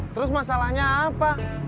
terus masalahnya apa